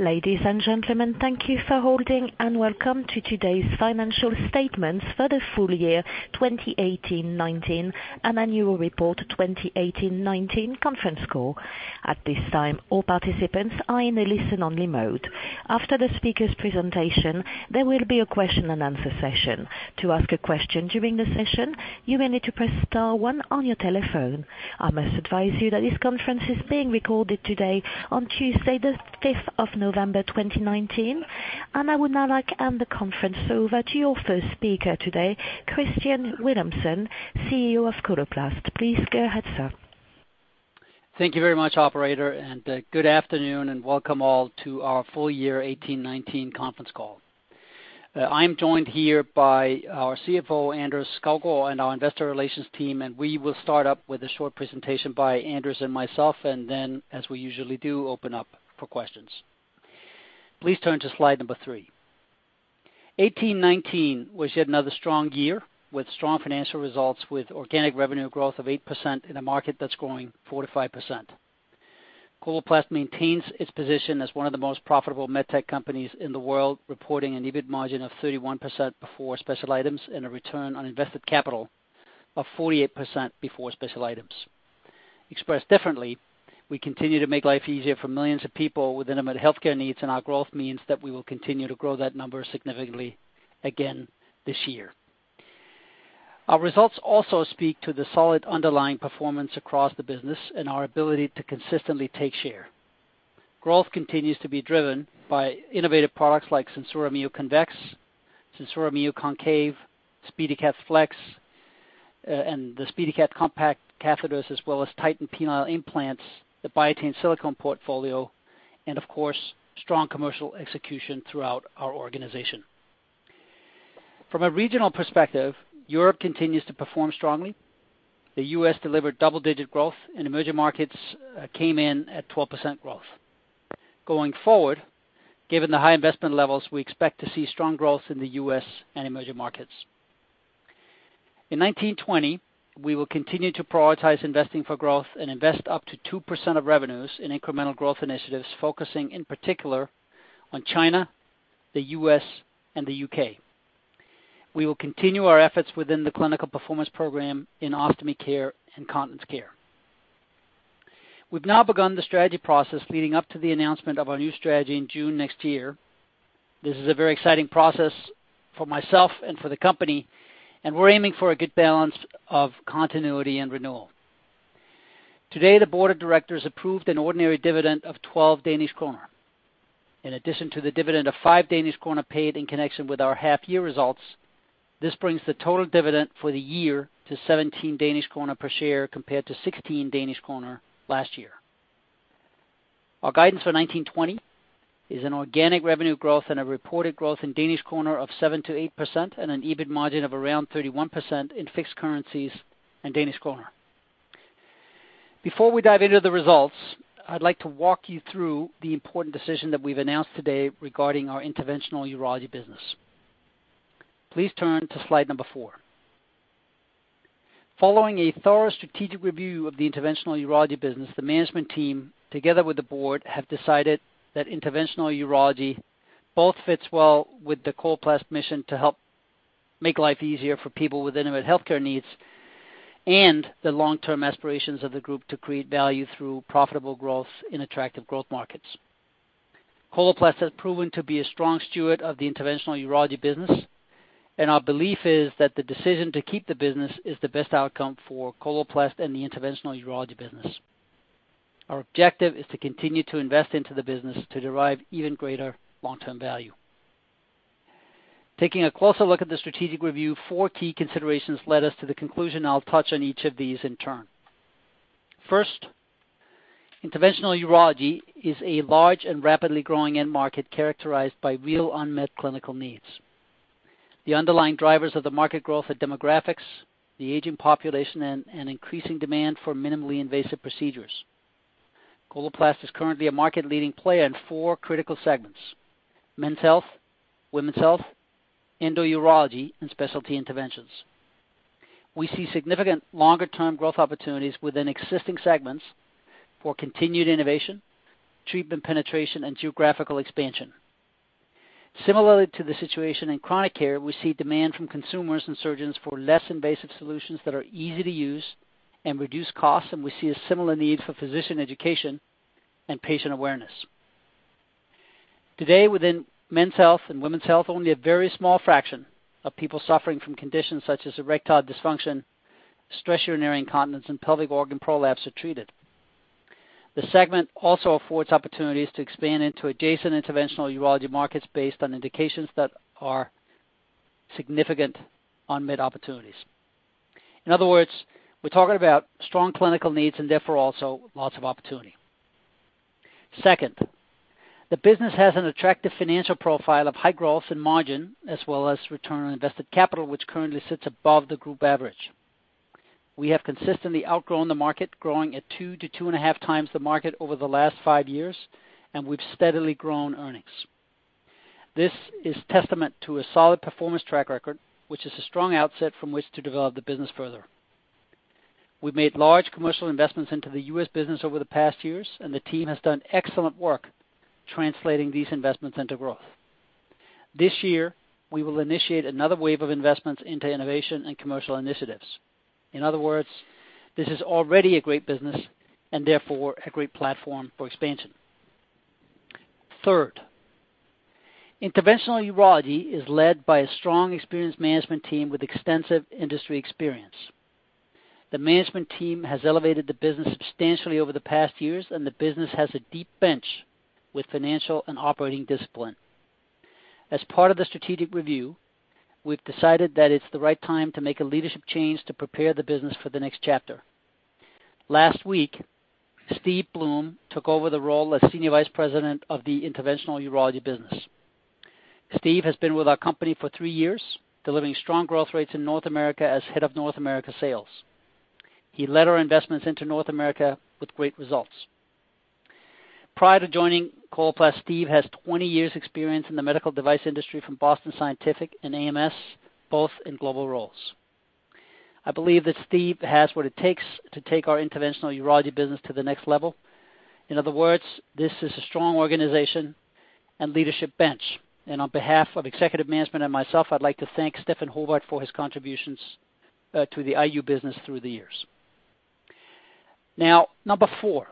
Ladies and gentlemen, thank you for holding, and welcome to today's financial statements for the full year, 2018-2019, and annual report, 2018-2019 conference call. At this time, all participants are in a listen-only mode. After the speaker's presentation, there will be a question and answer session. To ask a question during the session, you may need to press star one on your telephone. I must advise you that this conference is being recorded today on Tuesday, the 5th of November, 2019, and I would now like hand the conference over to your first speaker today, Kristian Villumsen, CEO of Coloplast. Please go ahead, sir. Thank you very much, operator. Good afternoon and welcome all to our full year 2018-2019 conference call. I'm joined here by our CFO, Anders Skovgaard, and our investor relations team. We will start up with a short presentation by Anders and myself, and then, as we usually do, open up for questions. Please turn to slide number three. 2018-2019 was yet another strong year, with strong financial results, with organic revenue growth of 8% in a market that's growing 4%-5%. Coloplast maintains its position as one of the most profitable med-tech companies in the world, reporting an EBIT margin of 31% before special items and a return on invested capital of 48% before special items. Expressed differently, we continue to make life easier for millions of people with intimate health care needs, and our growth means that we will continue to grow that number significantly again this year. Our results also speak to the solid underlying performance across the business and our ability to consistently take share. Growth continues to be driven by innovative products like SenSura Mio Convex, SenSura Mio Concave, SpeediCath Flex, and the SpeediCath Compact catheters, as well as Titan penile implants, the Biatain Silicone portfolio, and of course, strong commercial execution throughout our organization. From a regional perspective, Europe continues to perform strongly. The U.S. delivered double-digit growth, and emerging markets came in at 12% growth. Going forward, given the high investment levels, we expect to see strong growth in the U.S. and emerging markets. In 2019-2020, we will continue to prioritize investing for growth and invest up to 2% of revenues in incremental growth initiatives, focusing in particular on China, the U.S., and the U.K. We will continue our efforts within the clinical performance program in Ostomy Care and Continence Care. We've now begun the strategy process leading up to the announcement of our new strategy in June next year. This is a very exciting process for myself and for the company. We're aiming for a good balance of continuity and renewal. Today, the Board of Directors approved an ordinary dividend of 12 Danish kroner. In addition to the dividend of 5 Danish kroner paid in connection with our half-year results, this brings the total dividend for the year to 17 Danish kroner per share, compared to 16 Danish kroner last year. Our guidance for 2019-2020 is an organic revenue growth and a reported growth in Danish kroner of 7%-8% and an EBIT margin of around 31% in fixed currencies in Danish kroner. Before we dive into the results, I'd like to walk you through the important decision that we've announced today regarding our Interventional Urology business. Please turn to slide number four. Following a thorough strategic review of the Interventional Urology business, the management team, together with the board, have decided that Interventional Urology both fits well with the Coloplast mission to help make life easier for people with intimate health care needs, and the long-term aspirations of the group to create value through profitable growth in attractive growth markets. Coloplast has proven to be a strong steward of the Interventional Urology business. Our belief is that the decision to keep the business is the best outcome for Coloplast and the Interventional Urology business. Our objective is to continue to invest into the business to derive even greater long-term value. Taking a closer look at the strategic review, four key considerations led us to the conclusion. I'll touch on each of these in turn. First, Interventional Urology is a large and rapidly growing end market, characterized by real unmet clinical needs. The underlying drivers of the market growth are demographics, the aging population, and an increasing demand for minimally invasive procedures. Coloplast is currently a market-leading player in four critical segments: Men's Health, Women's Health, endourology, and Specialty Interventions. We see significant longer-term growth opportunities within existing segments for continued innovation, treatment penetration, and geographical expansion. Similarly to the situation in Chronic Care, we see demand from consumers and surgeons for less invasive solutions that are easy to use and reduce costs, and we see a similar need for physician education and patient awareness. Today, within Men's Health and Women's Health, only a very small fraction of people suffering from conditions such as erectile dysfunction, stress urinary incontinence, and pelvic organ prolapse are treated. The segment also affords opportunities to expand into adjacent Interventional Urology markets based on indications that are significant unmet opportunities. In other words, we're talking about strong clinical needs and therefore also lots of opportunity. Second, the business has an attractive financial profile of high growth and margin, as well as return on invested capital, which currently sits above the group average. We have consistently outgrown the market, growing at 2x-2.5x the market over the last five years, and we've steadily grown earnings. This is testament to a solid performance track record, which is a strong outset from which to develop the business further. We've made large commercial investments into the U.S. business over the past years, and the team has done excellent work translating these investments into growth. This year, we will initiate another wave of investments into innovation and commercial initiatives. In other words, this is already a great business and therefore a great platform for expansion. Third, Interventional Urology is led by a strong, experienced management team with extensive industry experience. The management team has elevated the business substantially over the past years, and the business has a deep bench with financial and operating discipline. As part of the strategic review, we've decided that it's the right time to make a leadership change to prepare the business for the next chapter. Last week, Steve Blum took over the role as Senior Vice President of the Interventional Urology business. Steve has been with our company for three years, delivering strong growth rates in North America as head of North America sales. He led our investments into North America with great results. Prior to joining Coloplast, Steve has 20 years experience in the medical device industry from Boston Scientific and AMS, both in global roles. I believe that Steve has what it takes to take our Interventional Urology business to the next level. In other words, this is a strong organization and leadership bench. On behalf of executive management and myself, I'd like to thank Steffen Hovard for his contributions to the Interventional Urology business through the years. Number four,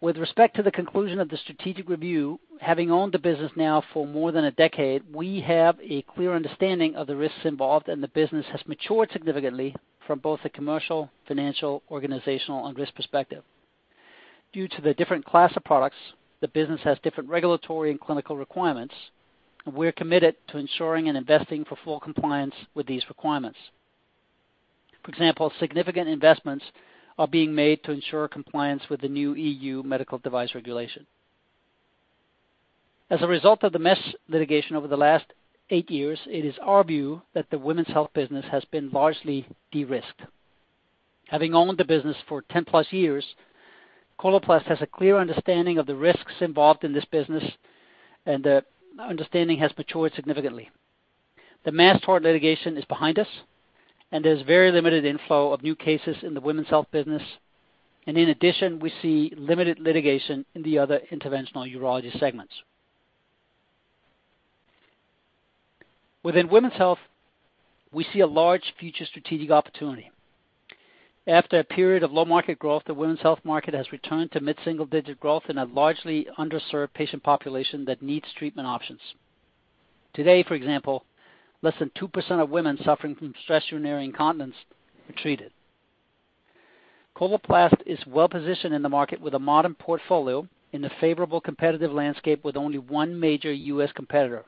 with respect to the conclusion of the strategic review, having owned the business now for more than a decade, we have a clear understanding of the risks involved. The business has matured significantly from both a commercial, financial, organizational, and risk perspective. Due to the different class of products, the business has different regulatory and clinical requirements. We're committed to ensuring and investing for full compliance with these requirements. For example, significant investments are being made to ensure compliance with the new EU Medical Device Regulation. As a result of the mesh litigation over the last eight years, it is our view that the Women's Health business has been largely de-risked. Having owned the business for 10+ years, Coloplast has a clear understanding of the risks involved in this business, and the understanding has matured significantly. The mass tort litigation is behind us, and there's very limited inflow of new cases in the Women's Health business. In addition, we see limited litigation in the other Interventional Urology segments. Within Women's Health, we see a large future strategic opportunity. After a period of low market growth, the Women's Health market has returned to mid-single digit growth in a largely underserved patient population that needs treatment options. Today, for example, less than 2% of women suffering from stress urinary incontinence are treated. Coloplast is well positioned in the market with a modern portfolio in a favorable competitive landscape with only one major U.S. competitor.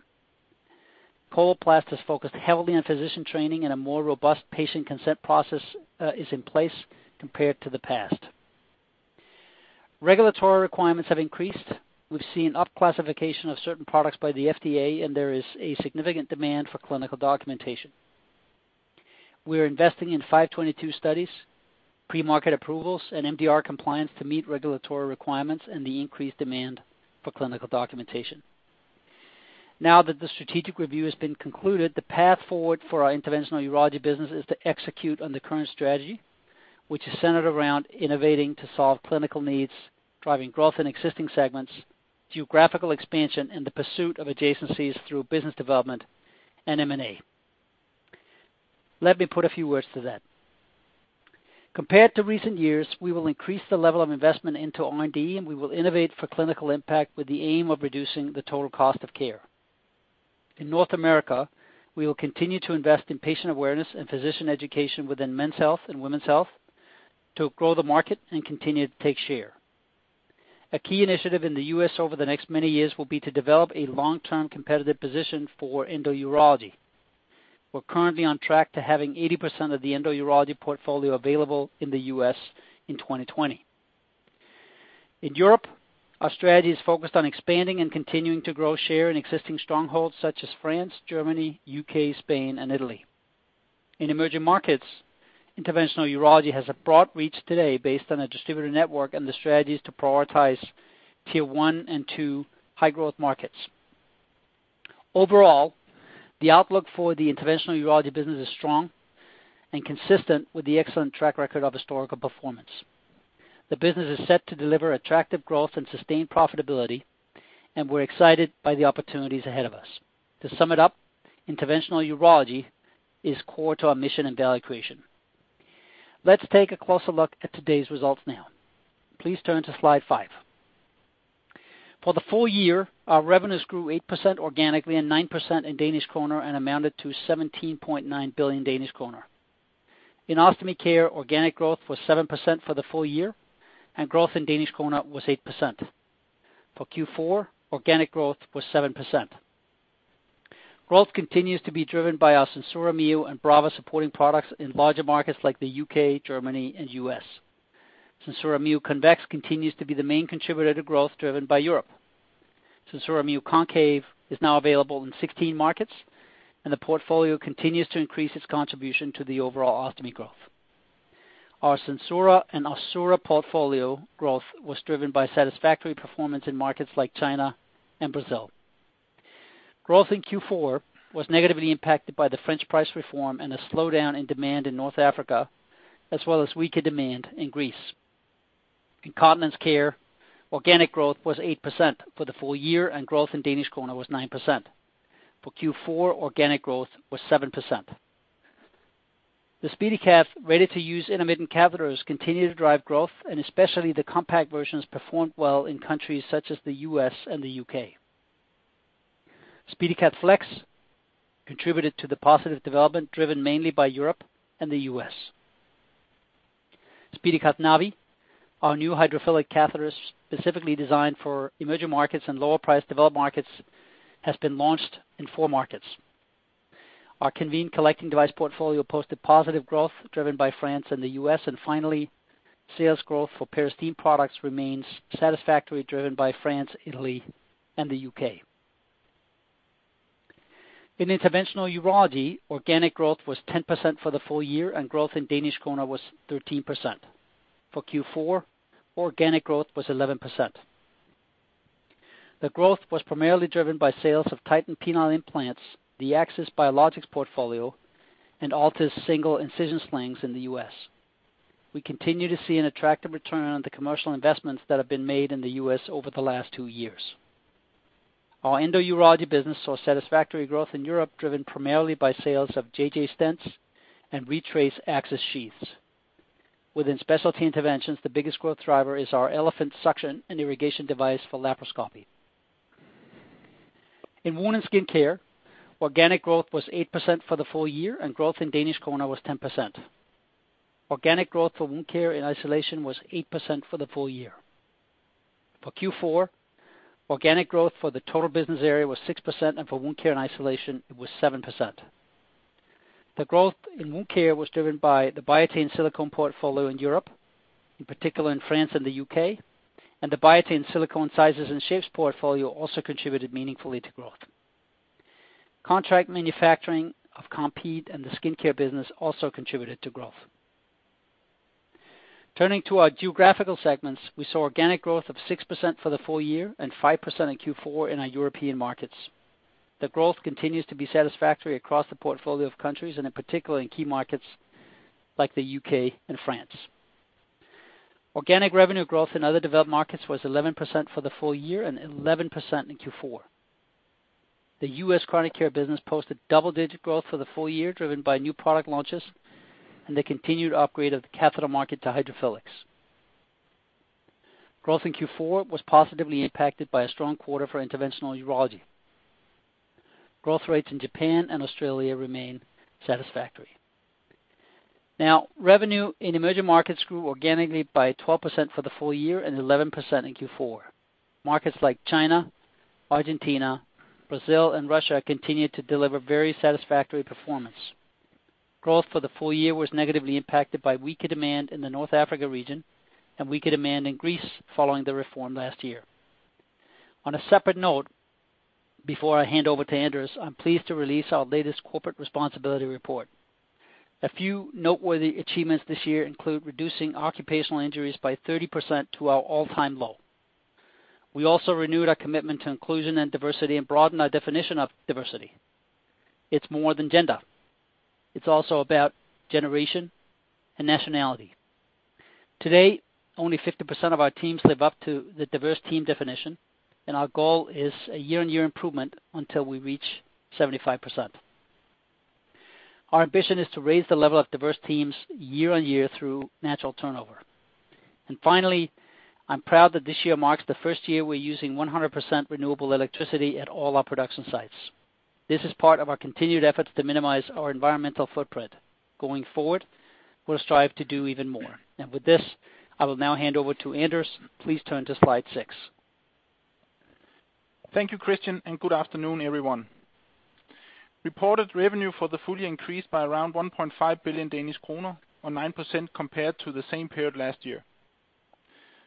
Coloplast is focused heavily on physician training, and a more robust patient consent process is in place compared to the past. Regulatory requirements have increased. We've seen up-classification of certain products by the FDA, and there is a significant demand for clinical documentation. We are investing in 522 studies, pre-market approvals, and MDR compliance to meet regulatory requirements and the increased demand for clinical documentation. Now that the strategic review has been concluded, the path forward for our Interventional Urology business is to execute on the current strategy, which is centered around innovating to solve clinical needs, driving growth in existing segments, geographical expansion, and the pursuit of adjacencies through business development and M&A. Let me put a few words to that. Compared to recent years, we will increase the level of investment into R&D, and we will innovate for clinical impact with the aim of reducing the total cost of care. In North America, we will continue to invest in patient awareness and physician education within Men's Health and Women's Health to grow the market and continue to take share. A key initiative in the U.S. over the next many years will be to develop a long-term competitive position for endourology. We're currently on track to having 80% of the endourology portfolio available in the U.S. in 2020. In Europe, our strategy is focused on expanding and continuing to grow share in existing strongholds such as France, Germany, U.K., Spain, and Italy. In emerging markets, Interventional Urology has a broad reach today based on a distributor network, and the strategy is to prioritize tier one and two high-growth markets. Overall, the outlook for the Interventional Urology business is strong and consistent with the excellent track record of historical performance. The business is set to deliver attractive growth and sustained profitability, and we're excited by the opportunities ahead of us. To sum it up, Interventional Urology is core to our mission and value creation. Let's take a closer look at today's results now. Please turn to slide five. For the full year, our revenues grew 8% organically and 9% in Danish kroner and amounted to 17.9 billion Danish kroner. In Ostomy Care, organic growth was 7% for the full year, and growth in Danish kroner was 8%. For Q4, organic growth was 7%. Growth continues to be driven by our SenSura Mio and Brava supporting products in larger markets like the U.K., Germany, and U.S. SenSura Mio Convex continues to be the main contributor to growth driven by Europe. SenSura Mio Concave is now available in 16 markets, the portfolio continues to increase its contribution to the overall ostomy growth. Our SenSura and Assura portfolio growth was driven by satisfactory performance in markets like China and Brazil. Growth in Q4 was negatively impacted by the French price reform a slowdown in demand in North Africa, as well as weaker demand in Greece. In Continence Care, organic growth was 8% for the full year, growth in Danish kroner was 9%. For Q4, organic growth was 7%. The SpeediCath ready-to-use intermittent catheters continue to drive growth, especially the compact versions performed well in countries such as the U.S. and the U.K. SpeediCath Flex contributed to the positive development, driven mainly by Europe and the U.S. SpeediCath Navi, our new hydrophilic catheters, specifically designed for emerging markets and lower price developed markets, has been launched in four markets. Our Conveen collecting device portfolio posted positive growth driven by France and the U.S. Finally, sales growth for Peristeen products remains satisfactory, driven by France, Italy, and the U.K. In Interventional Urology, organic growth was 10% for the full year, and growth in Danish kroner was 13%. For Q4, organic growth was 11%. The growth was primarily driven by sales of Titan penile implants, the Axis Biologics portfolio, and Altis single incision slings in the U.S. We continue to see an attractive return on the commercial investments that have been made in the U.S. over the last two years. Our endourology business saw satisfactory growth in Europe, driven primarily by sales of JJ Stents and ReTrace Access Sheaths. Within Specialty Interventions, the biggest growth driver is our Elefant suction and irrigation device for laparoscopy. In Wound and Skin Care, organic growth was 8% for the full year, and growth in Danish kroner was 10%. Organic growth for Wound Care in isolation was 8% for the full year. For Q4, organic growth for the total business area was 6%, and for Wound Care and isolation, it was 7%. The growth in Wound Care was driven by the Biatain Silicone portfolio in Europe, in particular in France and the U.K., and the Biatain Silicone sizes and shapes portfolio also contributed meaningfully to growth. Contract manufacturing of Compeed and the skincare business also contributed to growth. Turning to our geographical segments, we saw organic growth of 6% for the full year and 5% in Q4 in our European markets. The growth continues to be satisfactory across the portfolio of countries and in particular in key markets like the U.K. and France. Organic revenue growth in other developed markets was 11% for the full year and 11% in Q4. The U.S. Chronic Care business posted double-digit growth for the full year, driven by new product launches and the continued upgrade of the catheter market to hydrophilics. Growth in Q4 was positively impacted by a strong quarter for Interventional Urology. Growth rates in Japan and Australia remain satisfactory. Revenue in emerging markets grew organically by 12% for the full year and 11% in Q4. Markets like China, Argentina, Brazil and Russia continued to deliver very satisfactory performance. Growth for the full year was negatively impacted by weaker demand in the North Africa region and weaker demand in Greece following the reform last year. On a separate note, before I hand over to Anders, I'm pleased to release our latest corporate responsibility report. A few noteworthy achievements this year include reducing occupational injuries by 30% to our all-time low. We also renewed our commitment to inclusion and diversity and broadened our definition of diversity. It's more than gender. It's also about generation and nationality. Today, only 50% of our teams live up to the diverse team definition. Our goal is a year-on-year improvement until we reach 75%. Our ambition is to raise the level of diverse teams year-on-year through natural turnover. Finally, I'm proud that this year marks the first year we're using 100% renewable electricity at all our production sites. This is part of our continued efforts to minimize our environmental footprint. Going forward, we'll strive to do even more. With this, I will now hand over to Anders. Please turn to slide six. Thank you, Kristian, and good afternoon, everyone. Reported revenue for the full year increased by around 1.5 billion Danish kroner, or 9% compared to the same period last year.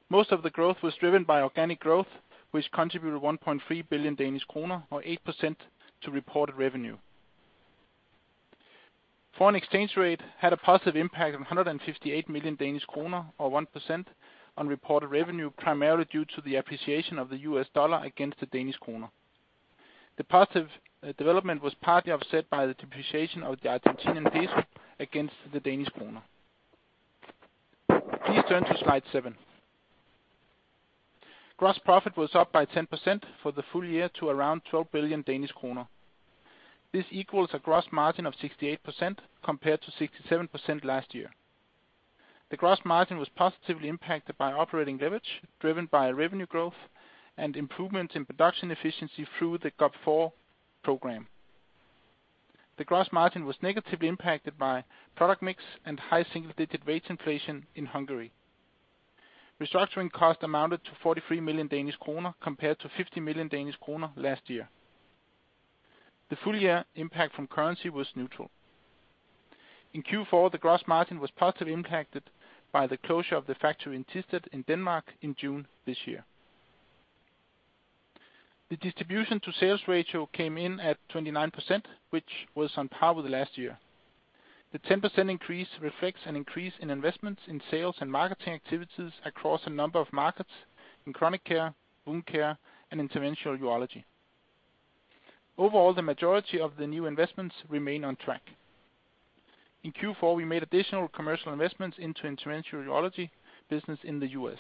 Most of the growth was driven by organic growth, which contributed 1.3 billion Danish kroner or 8% to reported revenue. Foreign exchange rate had a positive impact of 158 million Danish kroner, or 1%, on reported revenue, primarily due to the appreciation of the U.S. dollar against the Danish kroner. The positive development was partly offset by the depreciation of the Argentinian peso against the Danish kroner. Please turn to slide seven. Gross profit was up by 10% for the full year to around 12 billion Danish kroner. This equals a gross margin of 68%, compared to 67% last year. The gross margin was positively impacted by operating leverage, driven by revenue growth and improvement in production efficiency through the GOP4 program. The gross margin was negatively impacted by product mix and high single-digit wage inflation in Hungary. Restructuring cost amounted to 43 million Danish kroner, compared to 50 million Danish kroner last year. The full year impact from currency was neutral. In Q4, the gross margin was positively impacted by the closure of the factory in Thisted in Denmark in June this year. The distribution to sales ratio came in at 29%, which was on par with last year. The 10% increase reflects an increase in investments in sales and marketing activities across a number of markets in Chronic Care, Wound Care, and Interventional Urology. The majority of the new investments remain on track. In Q4, we made additional commercial investments into Interventional Urology business in the U.S..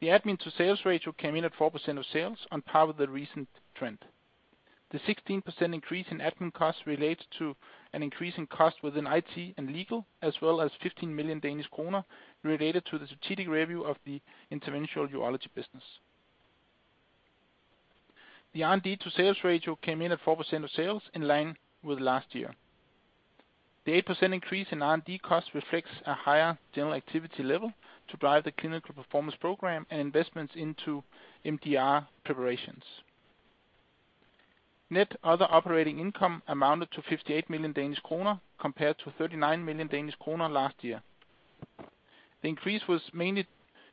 The admin to sales ratio came in at 4% of sales, on par with the recent trend. The 16% increase in admin costs relates to an increase in cost within IT and legal, as well as 15 million Danish kroner related to the strategic review of the Interventional Urology business. The R&D to sales ratio came in at 4% of sales, in line with last year. The 8% increase in R&D costs reflects a higher general activity level to drive the clinical performance program and investments into MDR preparations. Net other operating income amounted to 58 million Danish kroner, compared to 39 million Danish kroner last year. The increase was mainly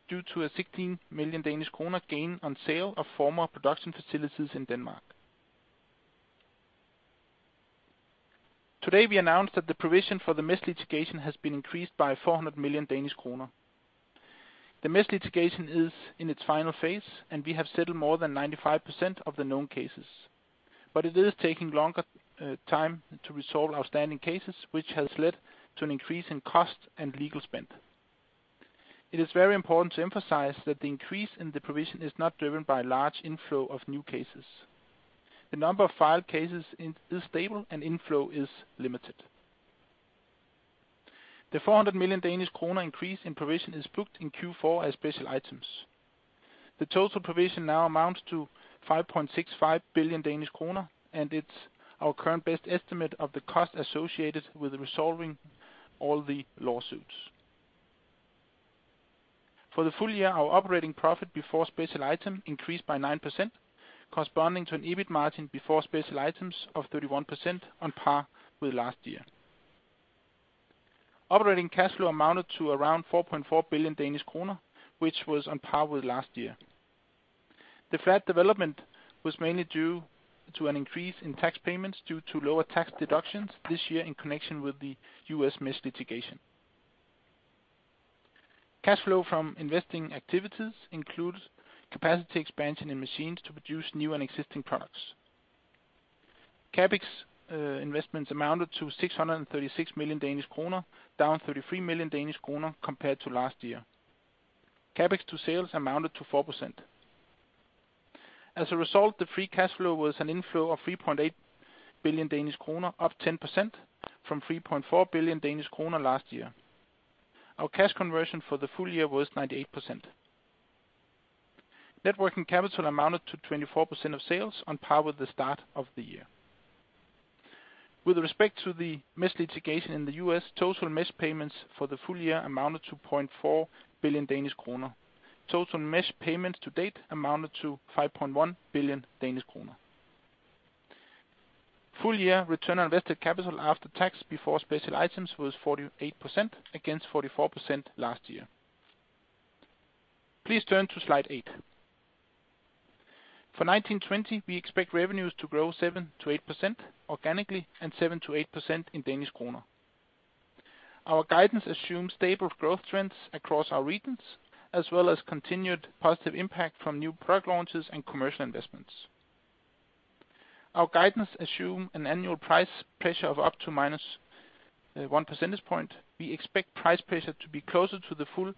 due to a 16 million Danish kroner gain on sale of former production facilities in Denmark. Today, we announced that the provision for the mesh litigation has been increased by 400 million Danish kroner. The mesh litigation is in its final phase, we have settled more than 95% of the known cases. It is taking longer time to resolve outstanding cases, which has led to an increase in cost and legal spend. It is very important to emphasize that the increase in the provision is not driven by a large inflow of new cases. The number of filed cases is stable and inflow is limited. The 400 million Danish kroner increase in provision is booked in Q4 as special items. The total provision now amounts to 5.65 billion Danish kroner, it's our current best estimate of the cost associated with resolving all the lawsuits. For the full year, our operating profit before special item increased by 9%, corresponding to an EBIT margin before special items of 31%, on par with last year. Operating cash flow amounted to around 4.4 billion Danish kroner, which was on par with last year. The flat development was mainly due to an increase in tax payments due to lower tax deductions this year in connection with the U.S. mesh litigation. Cash flow from investing activities includes capacity expansion in machines to produce new and existing products. CapEx investments amounted to 636 million Danish kroner, down 33 million Danish kroner compared to last year. CapEx to sales amounted to 4%. The free cash flow was an inflow of 3.8 billion Danish kroner, up 10% from 3.4 billion Danish kroner last year. Our cash conversion for the full year was 98%. Net working capital amounted to 24% of sales, on par with the start of the year. With respect to the mesh litigation in the U.S., total mesh payments for the full year amounted to 0.4 billion Danish kroner. Total mesh payments to date amounted to 5.1 billion Danish kroner. Full year return on invested capital after tax, before special items, was 48%, against 44% last year. Please turn to slide eight. For 2019-2020, we expect revenues to grow 7%-8% organically, and 7%-8% in Danish kroner. Our guidance assumes stable growth trends across our regions, as well as continued positive impact from new product launches and commercial investments. Our guidance assume an annual price pressure of up to minus 1 percentage point. We expect price pressure to be closer to the full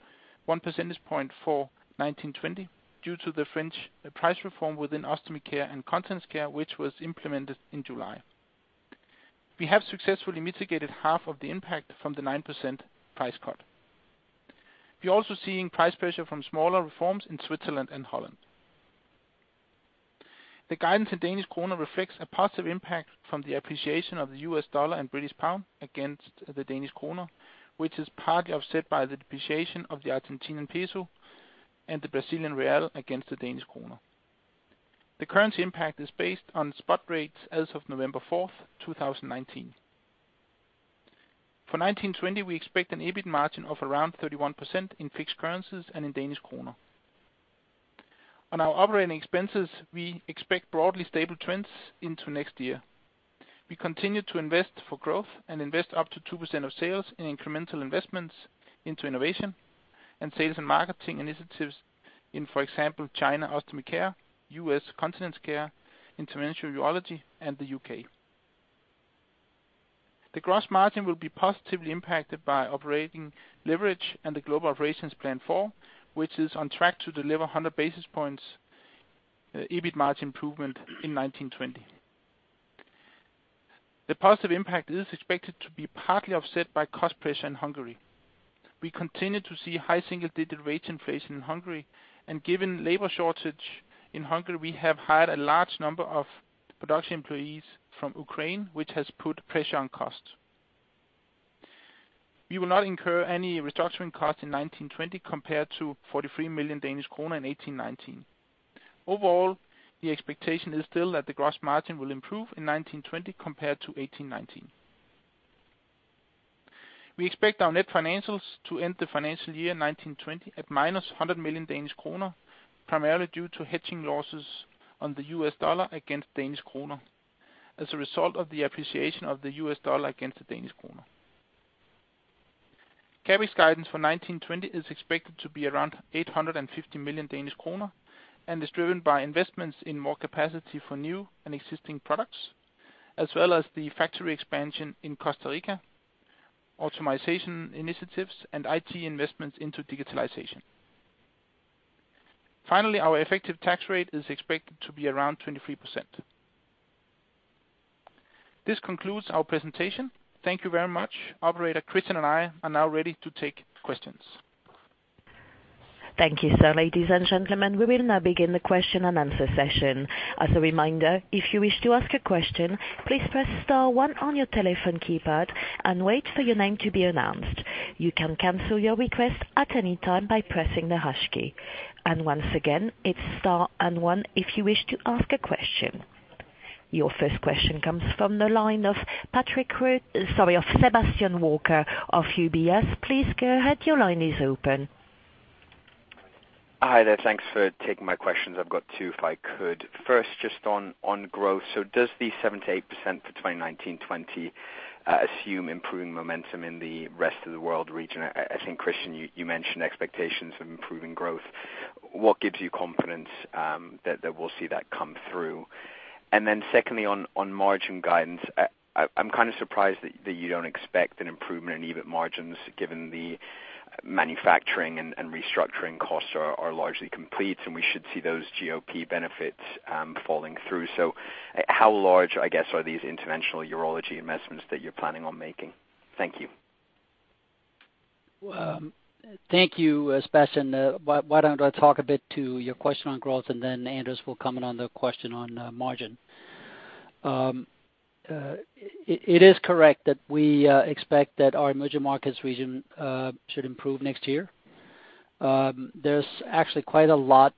1 percentage point for 2019-20, due to the French price reform within Ostomy Care and Continence Care, which was implemented in July. We have successfully mitigated half of the impact from the 9% price cut. We're also seeing price pressure from smaller reforms in Switzerland and Holland. The guidance in Danish kroner reflects a positive impact from the appreciation of the U.S. dollar and British pound against the Danish kroner, which is partly offset by the depreciation of the Argentinian peso and the Brazilian real against the Danish kroner. The currency impact is based on spot rates as of November 4th, 2019. For 2019-20, we expect an EBIT margin of around 31% in fixed currencies and in Danish kroner. On our operating expenses, we expect broadly stable trends into next year. We continue to invest for growth and invest up to 2% of sales in incremental investments into innovation and sales and marketing initiatives in, for example, China Ostomy Care, U.S. Continence Care, Interventional Urology, and the U.K.. The gross margin will be positively impacted by operating leverage and the Global Operations Plan 4, which is on track to deliver 100 basis points EBIT margin improvement in 2019-2020. The positive impact is expected to be partly offset by cost pressure in Hungary. We continue to see high single-digit wage inflation in Hungary. Given labor shortage in Hungary, we have hired a large number of production employees from Ukraine, which has put pressure on costs. We will not incur any restructuring costs in 2019-2020 compared to 43 million Danish kroner in 2018-2019. Overall, the expectation is still that the gross margin will improve in 2019-2020 compared to 2018-2019. We expect our net financials to end the financial year 2019-2020 at -100 million Danish kroner, primarily due to hedging losses on the U.S. dollar against Danish kroner as a result of the appreciation of the U.S. dollar against the Danish kroner. CapEx guidance for 2019-2020 is expected to be around 850 million Danish kroner, and is driven by investments in more capacity for new and existing products, as well as the factory expansion in Costa Rica, automation initiatives and IT investments into digitalization. Finally, our effective tax rate is expected to be around 23%. This concludes our presentation. Thank you very much. Operator, Kristian and I are now ready to take questions. Thank you, sir. Ladies and gentlemen, we will now begin the question and answer session. As a reminder, if you wish to ask a question, please press star one on your telephone keypad and wait for your name to be announced. You can cancel your request at any time by pressing the hash key. Once again, it's star and one if you wish to ask a question. Your first question comes from the line of Sebastian Walker of UBS. Please go ahead. Your line is open. Hi there. Thanks for taking my questions. I've got two, if I could. First, just on growth. Does the 7%-8% for 2019-2020 assume improving momentum in the rest of the world region? I think, Kristian, you mentioned expectations of improving growth. What gives you confidence that we'll see that come through? And then secondly, on margin guidance, I'm kind of surprised that you don't expect an improvement in EBIT margins, given the manufacturing and restructuring costs are largely complete, and we should see those GOP benefits falling through. How large, I guess, are these Interventional Urology investments that you're planning on making? Thank you. Thank you, Sebastian. Why don't I talk a bit to your question on growth, and then Anders will comment on the question on margin. It is correct that we expect that our emerging markets region should improve next year. There's actually quite a lot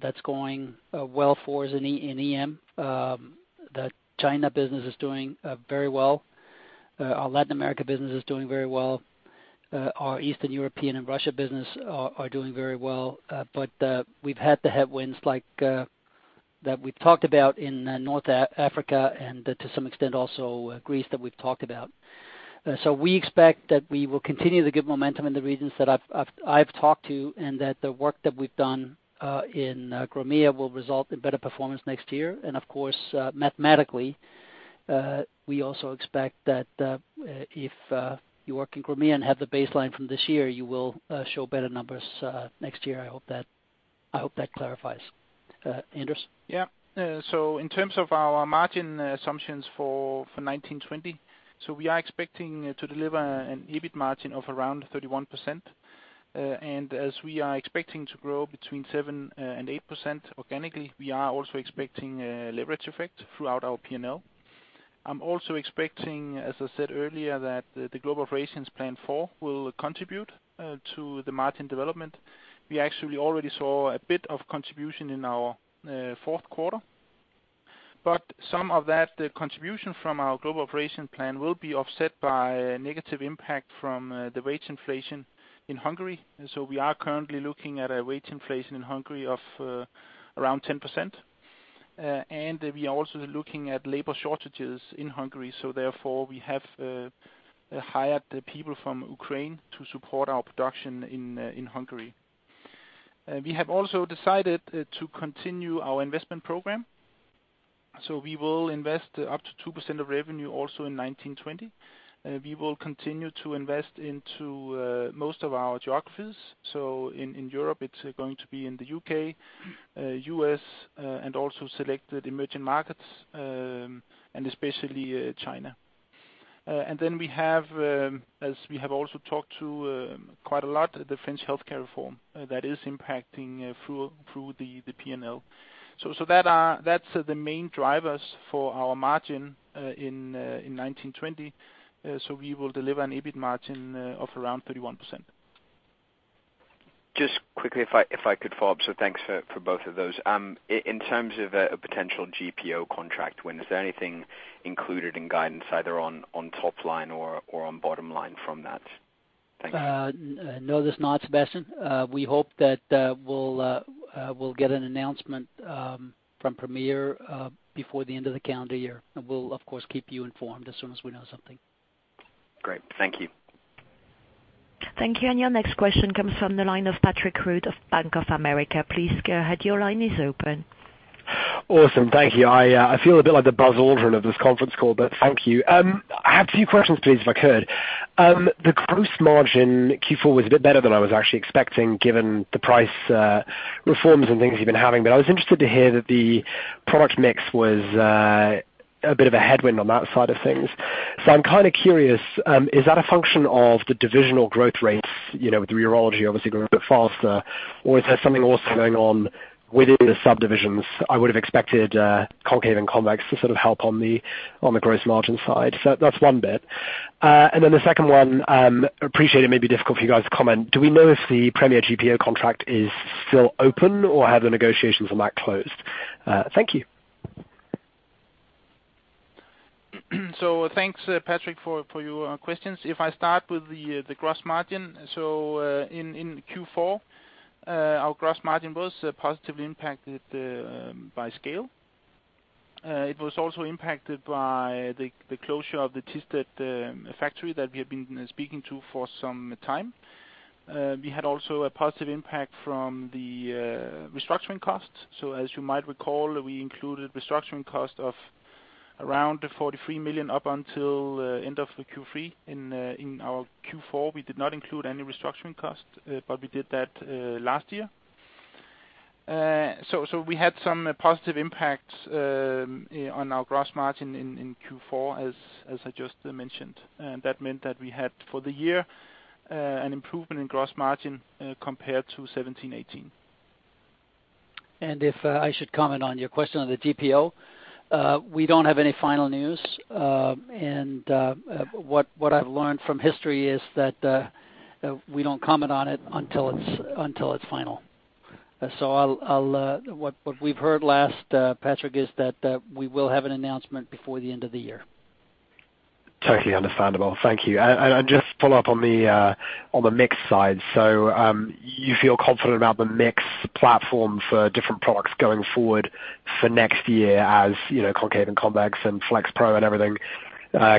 that's going well for us in EM. The China business is doing very well. Our Latin America business is doing very well. Our Eastern European and Russia business are doing very well. We've had the headwinds like that we've talked about in North Africa, and to some extent also Greece, that we've talked about. We expect that we will continue the good momentum in the regions that I've talked to, and that the work that we've done in Crimea will result in better performance next year. Of course, mathematically, we also expect that if you work in Crimea and have the baseline from this year, you will show better numbers next year. I hope that clarifies. Anders? In terms of our margin assumptions for 2019-2020, we are expecting to deliver an EBIT margin of around 31%. As we are expecting to grow between 7% and 8% organically, we are also expecting a leverage effect throughout our P&L. I'm also expecting, as I said earlier, that the Global Operations Plan 4 will contribute to the margin development. We actually already saw a bit of contribution in our fourth quarter. Some of that, the contribution from our Global Operations Plan will be offset by a negative impact from the wage inflation in Hungary. We are currently looking at a wage inflation in Hungary of around 10%. We are also looking at labor shortages in Hungary, so therefore we have hired people from Ukraine to support our production in Hungary. We have also decided to continue our investment program, so we will invest up to 2% of revenue also in 2019-2020. We will continue to invest into most of our geographies. In Europe, it's going to be in the U.K., U.S., and also selected emerging markets, and especially China. We have, as we have also talked to quite a lot, the French health care reform that is impacting through the P&L. That's the main drivers for our margin in 2019-2020. We will deliver an EBIT margin of around 31%. Just quickly, if I could follow up. Thanks for both of those. In terms of a potential GPO contract win, is there anything included in guidance either on top line or on bottom line from that? Thank you. No, there's not, Sebastian. We hope that we'll get an announcement from Premier before the end of the calendar year. We'll, of course, keep you informed as soon as we know something. Great. Thank you. Thank you. Your next question comes from the line of Patrick Wood of Bank of America. Please go ahead, your line is open. Awesome. Thank you. I feel a bit like the Buzz Aldrin of this conference call, but thank you. I have two questions, please, if I could. The gross margin, Q4, was a bit better than I was actually expecting, given the price, reforms and things you've been having. I was interested to hear that the product mix was a bit of a headwind on that side of things. I'm kind of curious, is that a function of the divisional growth rates, you know, with urology obviously growing a bit faster, or is there something also going on within the subdivisions? I would have expected concave and convex to sort of help on the, on the gross margin side. That's one bit. The second one, appreciate it may be difficult for you guys to comment. Do we know if the Premier GPO contract is still open, or have the negotiations on that closed? Thank you. Thanks, Patrick, for your questions. If I start with the gross margin, in Q4, our gross margin was positively impacted by scale. It was also impacted by the closure of the Thisted factory that we have been speaking to for some time. We had also a positive impact from the restructuring costs. As you might recall, we included restructuring cost of around 43 million up until end of the Q3. In our Q4, we did not include any restructuring costs, but we did that last year. We had some positive impacts on our gross margin in Q4, as I just mentioned, and that meant that we had, for the year, an improvement in gross margin compared to 2017-2018. If I should comment on your question on the GPO, we don't have any final news. What I've learned from history is that, we don't comment on it until it's final. I'll, what we've heard last, Patrick, is that, we will have an announcement before the end of the year. Totally understandable. Thank you. Just follow up on the mix side. You feel confident about the mix platform for different products going forward for next year, as, you know, SenSura Mio Concave and SenSura Mio Convex and FlexPro and everything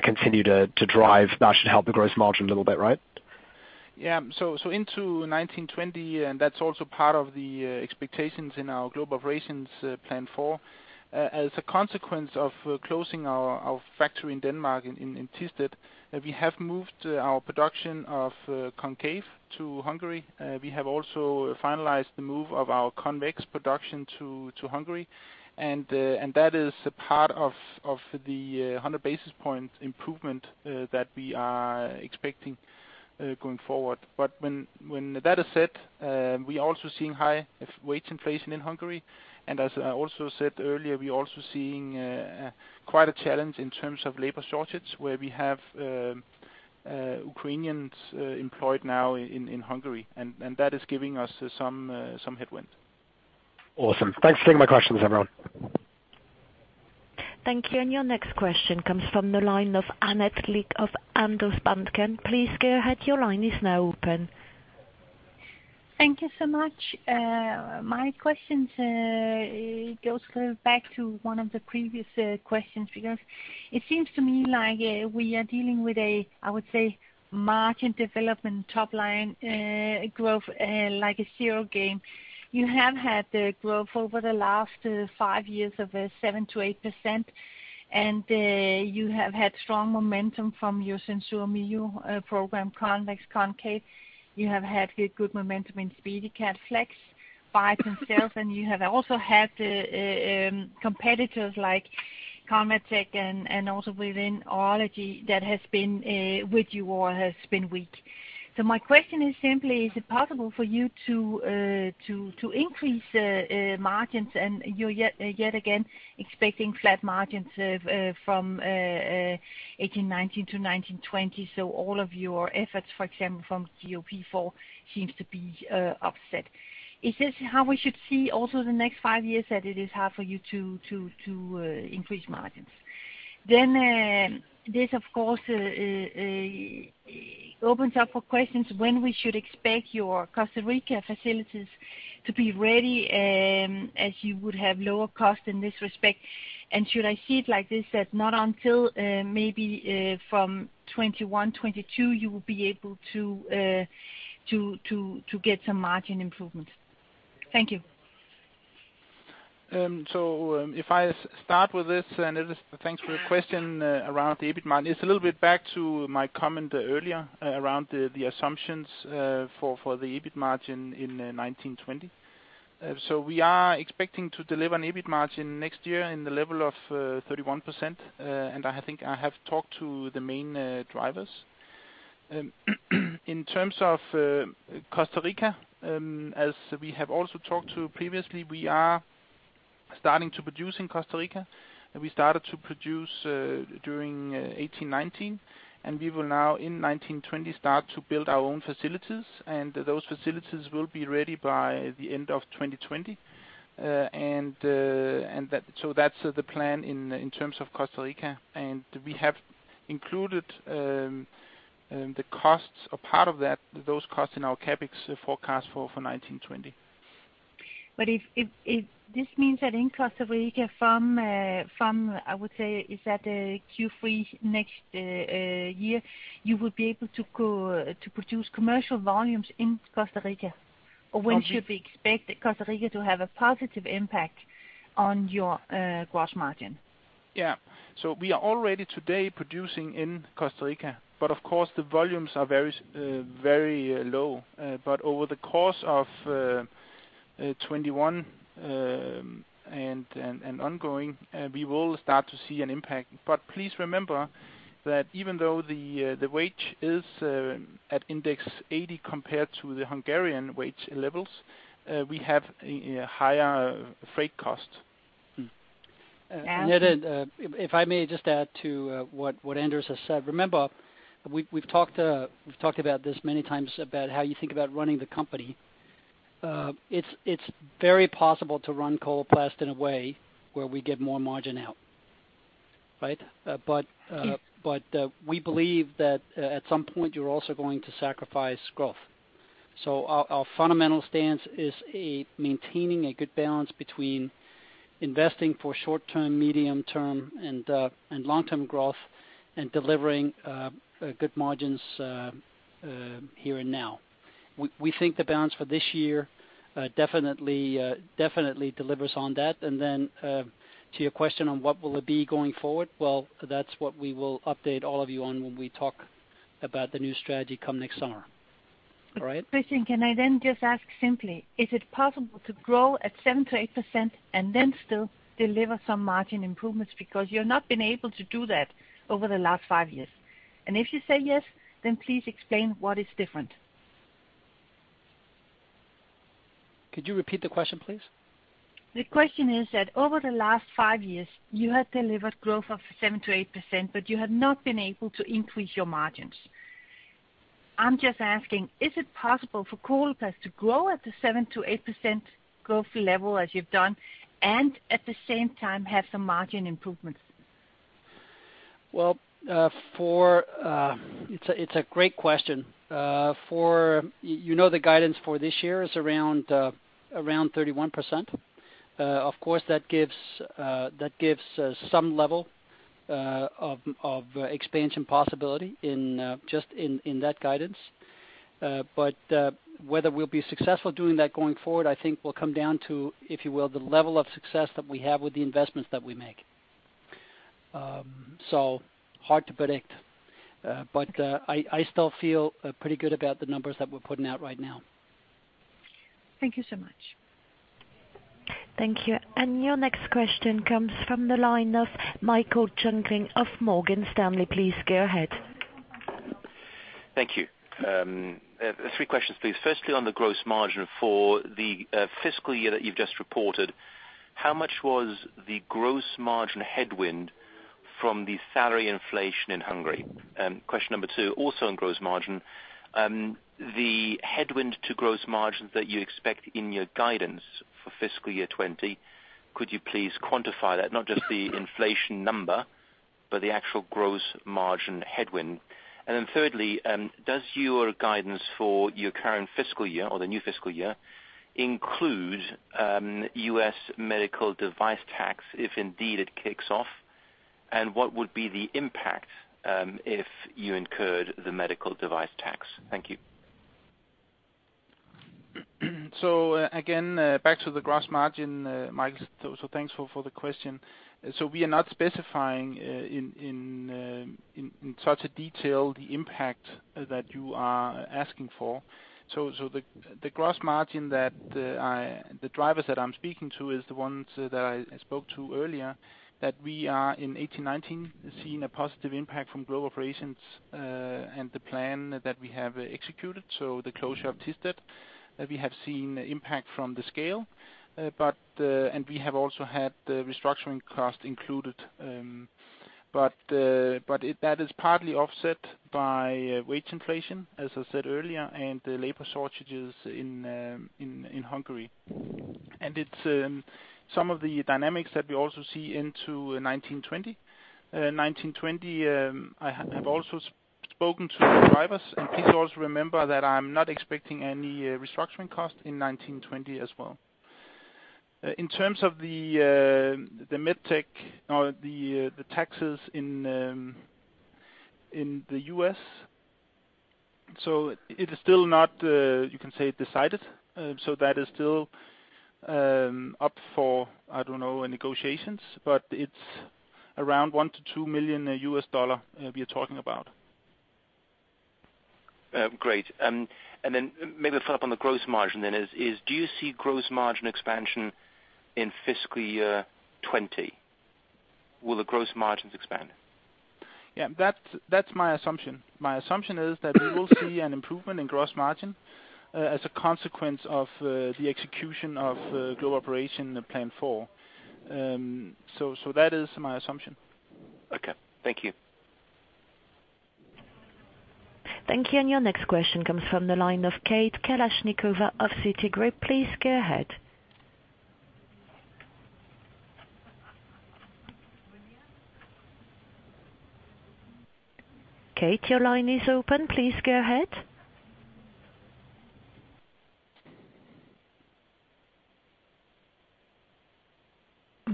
continue to drive? That should help the gross margin a little bit, right? Yeah. into 2019-2020, and that's also part of the expectations in our Global Operations Plan 4. As a consequence of closing our factory in Denmark, in Thisted, we have moved our production of Concave to Hungary. We have also finalized the move of our Convex production to Hungary, and that is a part of the 100 basis point improvement that we are expecting going forward. But when that is said, we are also seeing high wage inflation in Hungary, and as I also said earlier, we are also seeing quite a challenge in terms of labor shortage, where we have Ukrainians employed now in Hungary, and that is giving us some headwinds. Awesome. Thanks for taking my questions, everyone. Thank you, your next question comes from the line of Annette Lykke of Handelsbanken. Please go ahead. Your line is now open. Thank you so much. My questions, it goes kind of back to one of the previous questions, because it seems to me like we are dealing with a, I would say, margin development, top line, growth, like a zero game. You have had the growth over the last five years of 7%-8%, and you have had strong momentum from your SenSura Mio program, convex, concave. You have had good momentum in SpeediCath Flex by themselves, and you have also had competitors like ConvaTec and also within Urology that has been with you or has been weak. My question is simply: Is it possible for you to increase margins, and you're yet again expecting flat margins from 2018-2019 to 2019-2020, all of your efforts, for example, from GOP4, seems to be upset. Is this how we should see also the next five years, that it is hard for you to increase margins? This of course opens up for questions when we should expect your Costa Rica facilities to be ready as you would have lower costs in this respect. Should I see it like this, that not until maybe from 2021, 2022, you will be able to get some margin improvement? Thank you. If I start with this, and it is, thanks for the question, around the EBIT margin. It's a little bit back to my comment earlier around the assumptions for the EBIT margin in 2019-2020. We are expecting to deliver an EBIT margin next year in the level of 31%, and I think I have talked to the main drivers. In terms of Costa Rica, as we have also talked to previously, we are starting to produce in Costa Rica, and we started to produce during 2018-2019, and we will now, in 2019-2020, start to build our own facilities, and those facilities will be ready by the end of 2020. That's the plan in terms of Costa Rica. We have included those costs in our CapEx forecast for 2019-2020. If this means that in Costa Rica, from, I would say, is that, Q3 next year, you will be able to produce commercial volumes in Costa Rica? When should we expect Costa Rica to have a positive impact on your gross margin? We are already today producing in Costa Rica, but of course, the volumes are very low. Over the course of 2021, and ongoing, we will start to see an impact. Please remember that even though the wage is at index 80 compared to the Hungarian wage levels, we have higher freight costs. And- Annette, if I may just add to what Anders has said. Remember, we've talked about this many times, about how you think about running the company. It's very possible to run Coloplast in a way where we get more margin out, right? But we believe that at some point, you're also going to sacrifice growth. Our fundamental stance is maintaining a good balance between investing for short-term, medium-term, and long-term growth, and delivering good margins here and now. We think the balance for this year definitely definitely delivers on that. To your question on what will it be going forward? That's what we will update all of you on when we talk about the new strategy come next summer. All right? Kristian, can I just ask simply, is it possible to grow at 7%-8% and then still deliver some margin improvements? Because you've not been able to do that over the last five years. If you say yes, please explain what is different. Could you repeat the question, please? The question is that over the last five years, you have delivered growth of 7%-8%, but you have not been able to increase your margins. I'm just asking, is it possible for Coloplast to grow at the 7%-8% growth level as you've done, and at the same time, have some margin improvements? Well, for... It's a great question. For, you know, the guidance for this year is around 31%. Of course, that gives some level of expansion possibility in just in that guidance. Whether we'll be successful doing that going forward, I think will come down to, if you will, the level of success that we have with the investments that we make. Hard to predict, but I still feel pretty good about the numbers that we're putting out right now. Thank you so much. Thank you. Your next question comes from the line of Michael Jüngling of Morgan Stanley. Please go ahead. Thank you. Three questions, please. Firstly, on the gross margin for the fiscal year that you've just reported, how much was the gross margin headwind from the salary inflation in Hungary? Question two, also on gross margin, the headwind to gross margin that you expect in your guidance for fiscal year 2020, could you please quantify that? Not just the inflation number, but the actual gross margin headwind. Thirdly, does your guidance for your current fiscal year or the new fiscal year, include U.S. Medical Device Tax, if indeed it kicks off? What would be the impact if you incurred the Medical Device Tax? Thank you. Again, back to the gross margin, Michael, thanks for the question. We are not specifying in such a detail the impact that you are asking for. The gross margin that the drivers that I'm speaking to, is the ones that I spoke to earlier, that we are in 2018-2019, seeing a positive impact from Global Operations, and the plan that we have executed, so the closure of Thisted. That we have seen impact from the scale. We have also had the restructuring cost included. That is partly offset by wage inflation, as I said earlier, and the labor shortages in Hungary. It's some of the dynamics that we also see into 2019-2020. 2019-2020, I have also spoken to the drivers. Please also remember that I'm not expecting any restructuring costs in 2019-2020 as well. In terms of the med tech or the taxes in the U.S., it is still not, you can say, decided. That is still up for, I don't know, negotiations, but it's around $1 million-$2 million we are talking about. Great. Maybe follow up on the gross margin then, is do you see gross margin expansion in fiscal year 2020? Will the gross margins expand? Yeah, that's my assumption. My assumption is that we will see an improvement in gross margin as a consequence of the execution of Global Operations Plan 4. That is my assumption. Okay, thank you. Thank you. Your next question comes from the line of Kate Kalashnikova of Citigroup. Please go ahead. Kate, your line is open. Please go ahead.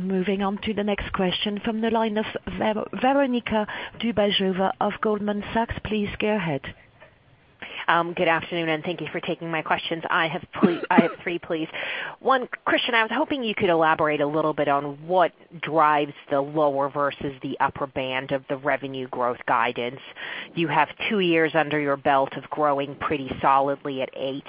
Moving on to the next question from the line of Veronika Dubajova of Goldman Sachs. Please go ahead. Good afternoon, and thank you for taking my questions. I have three, please. One, Kristian, I was hoping you could elaborate a little bit on what drives the lower versus the upper band of the revenue growth guidance. You have two years under your belt of growing pretty solidly at 8.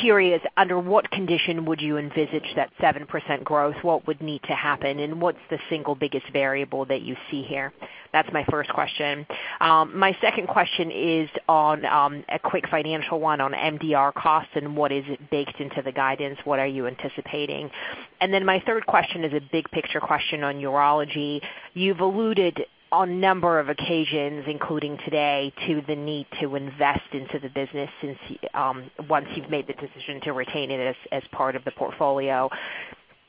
Curious, under what condition would you envisage that 7% growth? What would need to happen, and what's the single biggest variable that you see here? That's my first question. My second question is on a quick financial one on MDR costs. What is it baked into the guidance? What are you anticipating? My third question is a big picture question on urology. You've alluded on a number of occasions, including today, to the need to invest into the business since, once you've made the decision to retain it as part of the portfolio.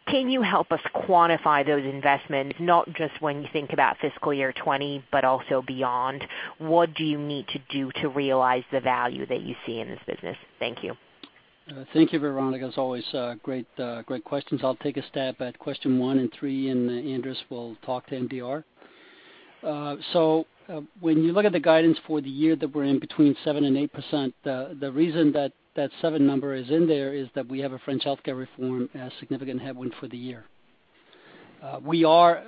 Can you help us quantify those investments, not just when you think about fiscal year 20, but also beyond? What do you need to do to realize the value that you see in this business? Thank you. Thank you, Veronika. As always, great questions. I'll take a stab at question 1 and 3. Anders will talk to MDR. When you look at the guidance for the year that we're in, between 7% and 8%, the reason that 7 number is in there is that we have a French health care reform, a significant headwind for the year. We are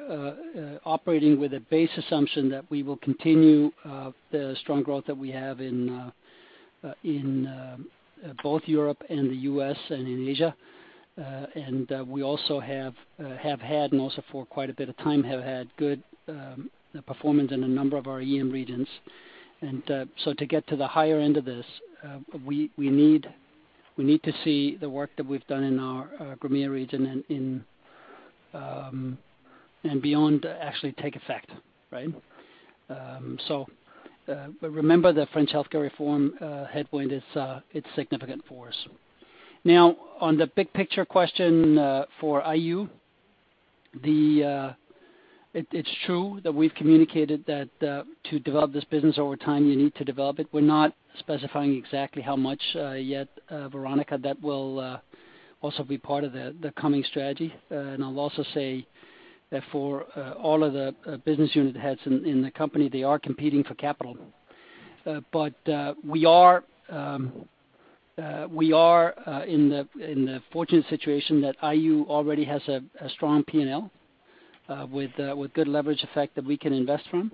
operating with a base assumption that we will continue the strong growth that we have in both Europe and the U.S. and in Asia. We also have had, and also for quite a bit of time, good performance in a number of our EM regions. To get to the higher end of this, we need to see the work that we've done in our Premier region and in, and beyond actually take effect, right? Remember, the French health care reform headwind is significant for us. Now, on the big picture question for IU, it's true that we've communicated that to develop this business over time, you need to develop it. We're not specifying exactly how much yet, Veronika. That will also be part of the coming strategy. I'll also say that for all of the business unit heads in the company, they are competing for capital. We are in the fortunate situation that IU already has a strong P&L with good leverage effect that we can invest from.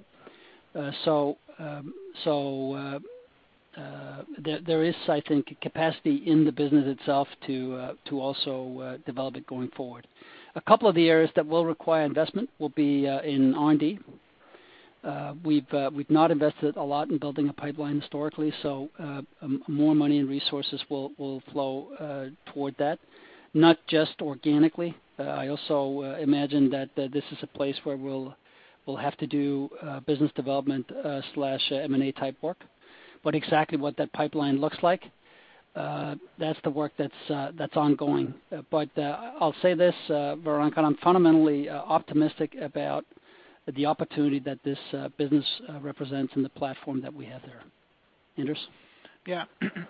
There is, I think, capacity in the business itself to also develop it going forward. A couple of the areas that will require investment will be in R&D. We've not invested a lot in building a pipeline historically, more money and resources will flow toward that, not just organically. I also imagine that this is a place where we'll have to do business development slash M&A-type work. Exactly what that pipeline looks like, that's the work that's ongoing. I'll say this, Veronika, I'm fundamentally optimistic about the opportunity that this business represents and the platform that we have there. Anders? Yeah.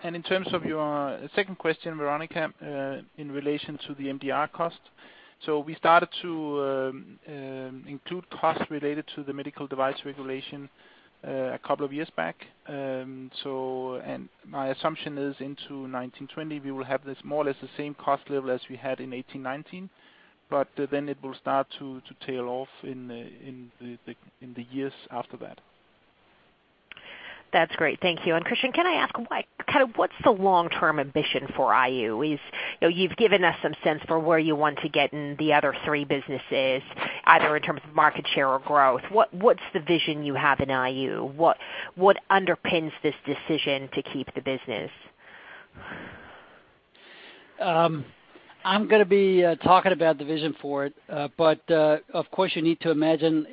In terms of your second question, Veronika, in relation to the MDR cost, we started to include costs related to the Medical Device Regulation a couple of years back. My assumption is into 2019-2020, we will have this more or less the same cost level as we had in 2018-2019. It will start to tail off in the years after that. That's great. Thank you. Kristian, can I ask, kind of what's the long-term ambition for IU? You know, you've given us some sense for where you want to get in the other three businesses, either in terms of market share or growth. What's the vision you have in IU? What underpins this decision to keep the business? I'm gonna be talking about the vision for it, but of course, you need to imagine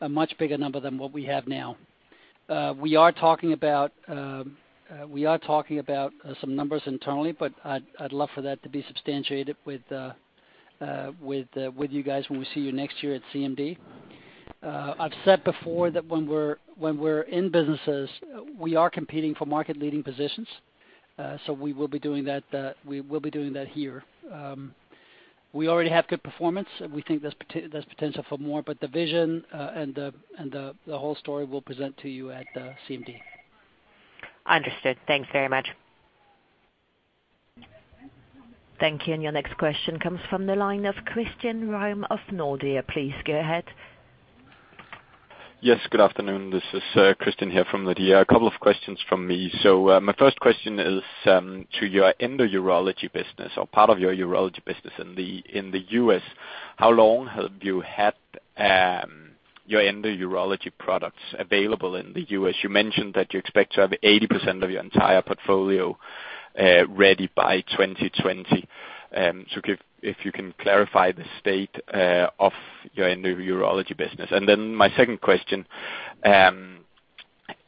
a much bigger number than what we have now. We are talking about some numbers internally, but I'd love for that to be substantiated with with you guys when we see you next year at CMD. I've said before that when we're in businesses, we are competing for market-leading positions, so we will be doing that here. We already have good performance, and we think there's potential for more, but the vision, and the whole story we'll present to you at CMD. Understood. Thanks very much. Thank you. Your next question comes from the line of Christian Ryom of Nordea. Please go ahead. Yes, good afternoon. This is Christian here from Nordea. A couple of questions from me. My first question is to your endourology business or part of your urology business in the U.S.. How long have you had your endourology products available in the U.S.? You mentioned that you expect to have 80% of your entire portfolio ready by 2020. If you can clarify the state of your endourology business. My second question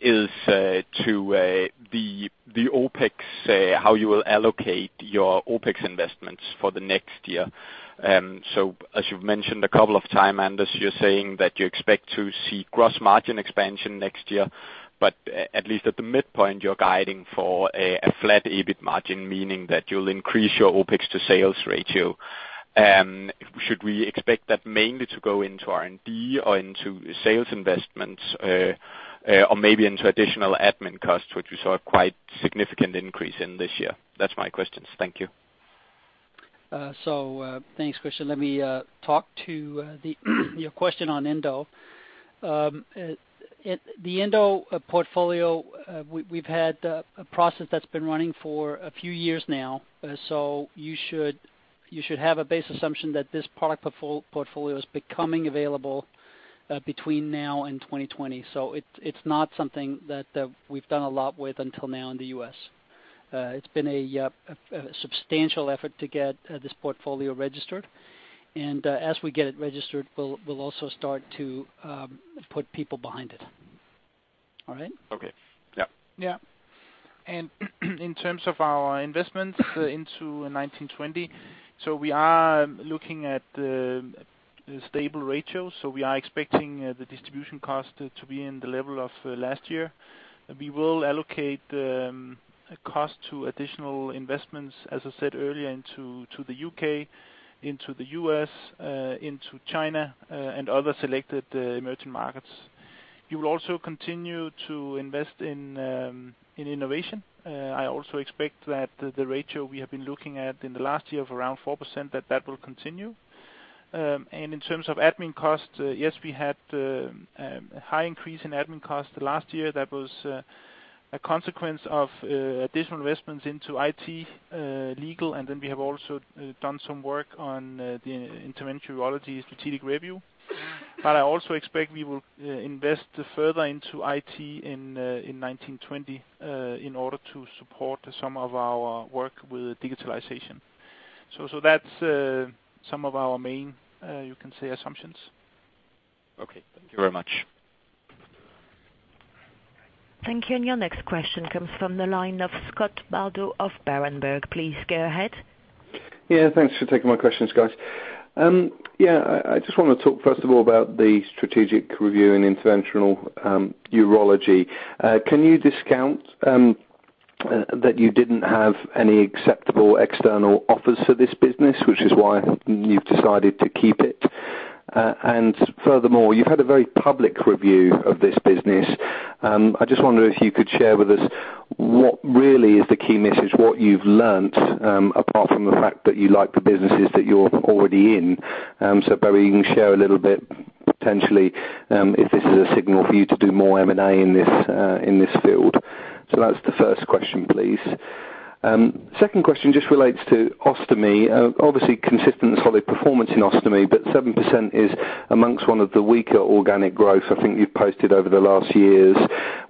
is to the OpEx, how you will allocate your OpEx investments for the next year. As you've mentioned a couple of time, Anders, you're saying that you expect to see gross margin expansion next year, but at least at the midpoint, you're guiding for a flat EBIT margin, meaning that you'll increase your OpEx to sales ratio. Should we expect that mainly to go into R&D or into sales investments or maybe into additional admin costs, which we saw a quite significant increase in this year? That's my questions. Thank you. Thanks, Christian. Let me talk to your question on Endo. The Endo portfolio, we've had a process that's been running for a few years now. You should have a base assumption that this product portfolio is becoming available between now and 2020. It's not something that we've done a lot with until now in the U.S. It's been a substantial effort to get this portfolio registered, and as we get it registered, we'll also start to put people behind it. All right? Okay. Yep. Yeah. In terms of our investment into 2019-2020, we are looking at the stable ratio. We are expecting the distribution cost to be in the level of last year. We will allocate a cost to additional investments, as I said earlier, into, to the U.K., into the U.S., into China, and other selected emerging markets. We will also continue to invest in innovation. I also expect that the ratio we have been looking at in the last year of around 4%, that that will continue. In terms of admin costs, yes, we had a high increase in admin costs last year. That was a consequence of additional investments into IT, legal, and then we have also done some work on the Interventional Urology strategic review. I also expect we will invest further into IT in 2019-2020 in order to support some of our work with digitalization. So that's some of our main, you can say, assumptions. Okay, thank you very much. Thank you. Your next question comes from the line of Scott Bardo of Berenberg. Please go ahead. Yeah, thanks for taking my questions, guys. Yeah, I just want to talk first of all, about the strategic review in Interventional Urology. Can you discount that you didn't have any acceptable external offers for this business, which is why you've decided to keep it? Furthermore, you've had a very public review of this business. I just wonder if you could share with us what really is the key message, what you've learned, apart from the fact that you like the businesses that you're already in? Maybe you can share a little bit, potentially, if this is a signal for you to do more M&A in this, in this field. That's the first question, please. Second question just relates to ostomy. Obviously consistent, solid performance in ostomy, 7% is amongst one of the weaker organic growth I think you've posted over the last years,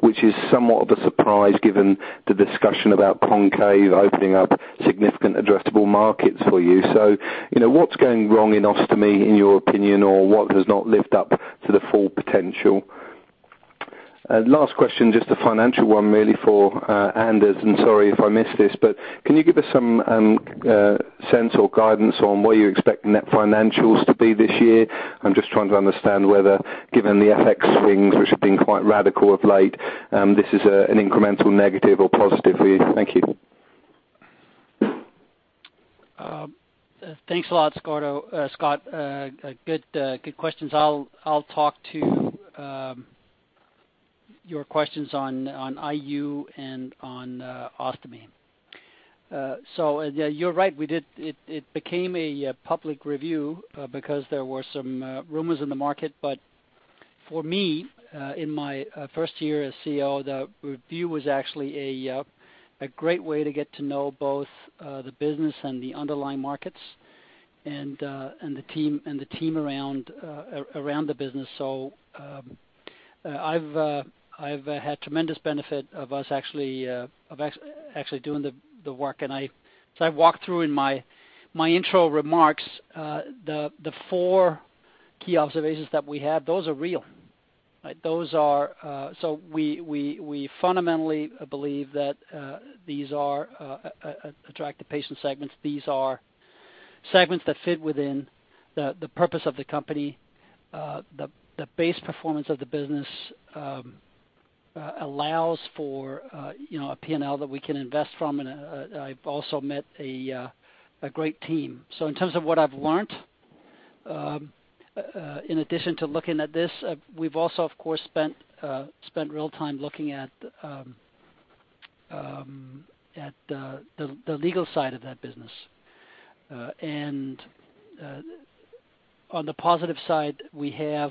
which is somewhat of a surprise given the discussion about concave opening up significant addressable markets for you. You know, what's going wrong in ostomy, in your opinion, or what has not lived up to the full potential? Last question, just a financial one, really, for Anders, sorry if I missed this, can you give us some sense or guidance on where you expect net financials to be this year? I'm just trying to understand whether, given the FX swings, which have been quite radical of late, this is an incremental negative or positive for you. Thank you. Thanks a lot, Scotto, Scott. Good, good questions. I'll talk to your questions on IU and on ostomy. Yeah, you're right, we did, it became a public review because there were some rumors in the market. For me, in my first year as CEO, the review was actually a great way to get to know both the business and the underlying markets, and the team, and the team around the business. I've had tremendous benefit of us actually doing the work. I walked through in my intro remarks, the four key observations that we have, those are real, right? Those are... We fundamentally believe that these are attractive patient segments. These are segments that fit within the purpose of the company. The base performance of the business allows for, you know, a P&L that we can invest from. I've also met a great team. In terms of what I've learned, in addition to looking at this, we've also, of course, spent real time looking at the legal side of that business. On the positive side, we have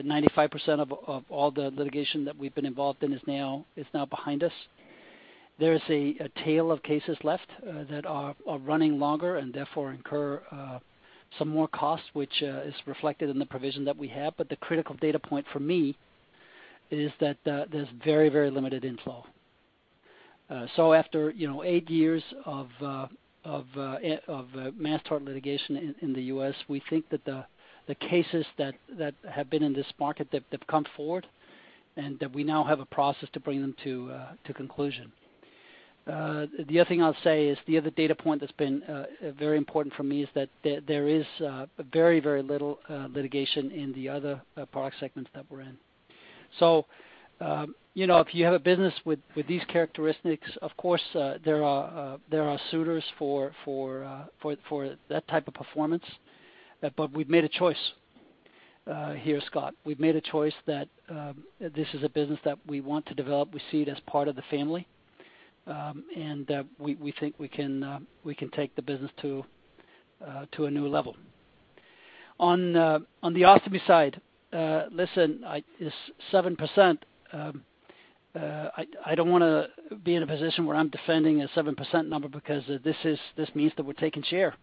95% of all the litigation that we've been involved in is now behind us. There is a tail of cases left that are running longer and therefore incur some more costs, which is reflected in the provision that we have. The critical data point for me is that there's very, very limited inflow. After, you know, eight years of mass tort litigation in the U.S., we think that the cases that have been in this market, that have come forward, and that we now have a process to bring them to conclusion. The other thing I'll say is, the other data point that's been very important for me is that there is very, very little litigation in the other product segments that we're in. You know, if you have a business with these characteristics, of course, there are suitors for that type of performance, but we've made a choice here, Scott. We've made a choice that this is a business that we want to develop. We see it as part of the family, and we think we can take the business to a new level. On the ostomy side, listen, this 7%, I don't wanna be in a position where I'm defending a 7% number, because this means that we're taking share.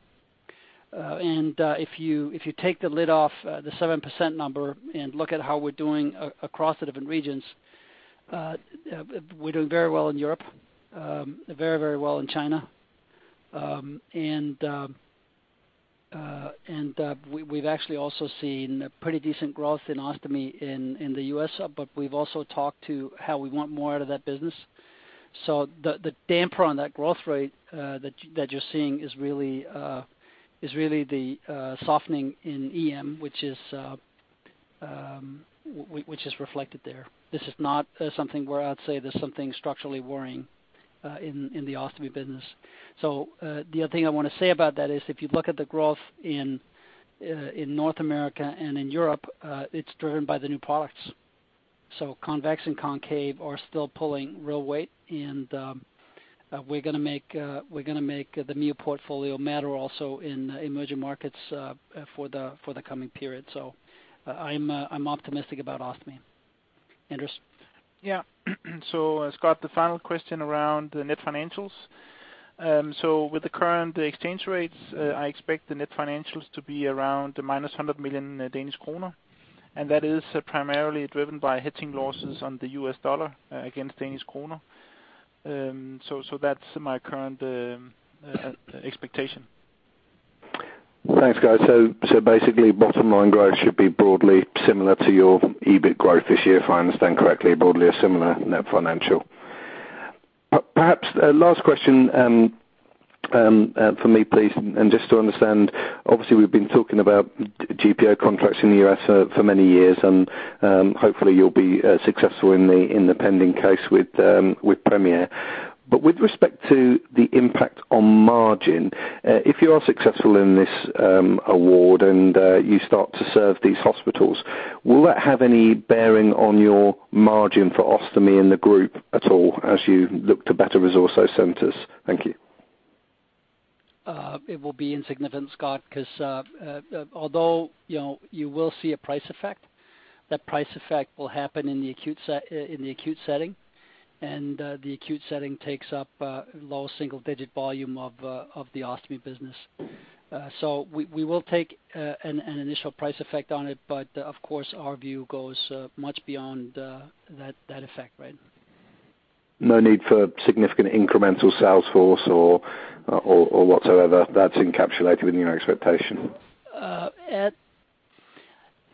If you take the lid off the 7% number and look at how we're doing across the different regions, we're doing very well in Europe, very well in China, and we've actually also seen pretty decent growth in ostomy in the U.S., but we've also talked to how we want more out of that business. The damper on that growth rate that you're seeing is really the softening in EM, which is reflected there. This is not something where I'd say there's something structurally worrying in the ostomy business. The other thing I wanna say about that is, if you look at the growth in North America and in Europe, it's driven by the new products. Convex and Concave are still pulling real weight, and we're gonna make the new portfolio matter also in emerging markets for the coming period. I'm optimistic about ostomy. Anders? Yeah. Scott, the final question around the net financials. With the current exchange rates, I expect the net financials to be around the minus 100 million Danish kroner, that is primarily driven by hedging losses on the U.S. dollar against Danish kroner. That's my current expectation. Thanks, guys. Basically, bottom line growth should be broadly similar to your EBIT growth this year, if I understand correctly, broadly a similar net financial. Perhaps last question for me, please, and just to understand, obviously, we've been talking about GPO contracts in the U.S. for many years, and hopefully, you'll be successful in the pending case with Premier. With respect to the impact on margin, if you are successful in this award, and you start to serve these hospitals, will that have any bearing on your margin for ostomy in the group at all, as you look to better resource those centers? Thank you. It will be insignificant, Scott, 'cause, although, you know, you will see a price effect, that price effect will happen in the acute setting, and the acute setting takes up low single-digit volume of the ostomy business. We will take an initial price effect on it, but of course, our view goes much beyond that effect, right? No need for significant incremental sales force or whatsoever, that's encapsulated in your expectation?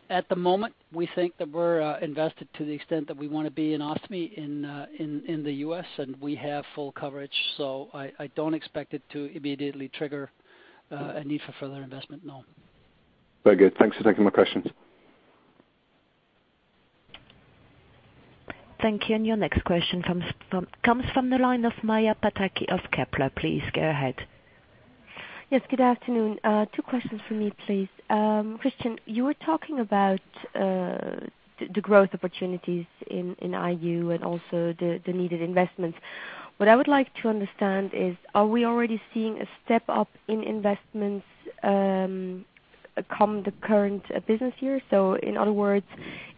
At the moment, we think that we're invested to the extent that we want to be in ostomy in the U.S., and we have full coverage, so I don't expect it to immediately trigger a need for further investment, no. Very good. Thanks for taking my questions. Thank you, your next question comes from the line of Maja Pataki of Kepler. Please go ahead. Yes, good afternoon. Two questions for me, please. Kristian, you were talking about the growth opportunities in IU and also the needed investments. What I would like to understand is, are we already seeing a step up in investments come the current business year?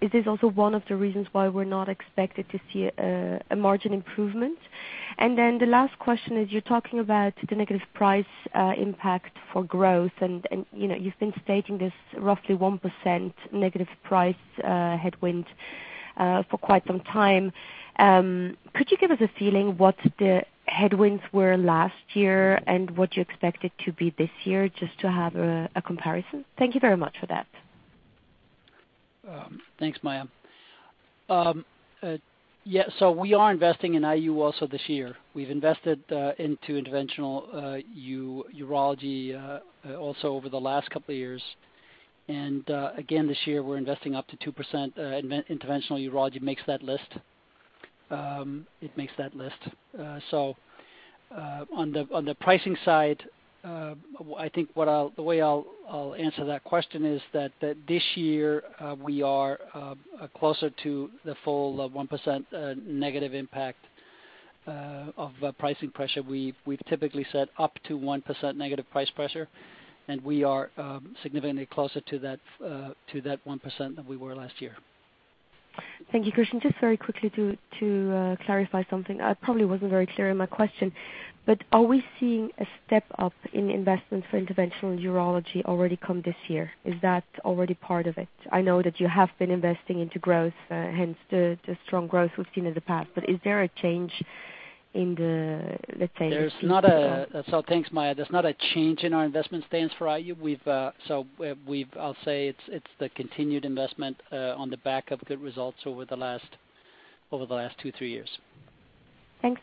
Is this also one of the reasons why we're not expected to see a margin improvement? The last question is, you're talking about the negative price impact for growth, and, you know, you've been stating this roughly 1% negative price headwind for quite some time. Could you give us a feeling what the headwinds were last year and what you expect it to be this year, just to have a comparison? Thank you very much for that. Thanks, Maja. We are investing in IU also this year. We've invested into interventional urology also over the last two years. Again, this year, we're investing up to 2%. Interventional urology makes that list. It makes that list. On the pricing side, I think the way I'll answer that question is that this year, we are closer to the full 1% negative impact of pricing pressure. We've typically set up to 1% negative price pressure, we are significantly closer to that 1% than we were last year. Thank you, Kristian. Just very quickly to clarify something. I probably wasn't very clear in my question. Are we seeing a step up in investment for Interventional Urology already come this year? Is that already part of it? I know that you have been investing into growth, hence the strong growth we've seen in the past. Is there a change in the, let's say- Thanks, Maja. There's not a change in our investment stance for IU. I'll say it's the continued investment on the back of good results over the last two, three years. Thanks.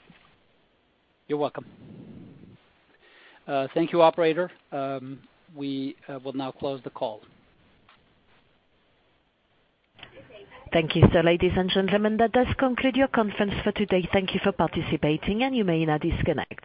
You're welcome. Thank you, operator. We will now close the call. Thank you. ladies and gentlemen, that does conclude your conference for today. Thank you for participating, and you may now disconnect.